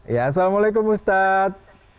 ya assalamualaikum ustadz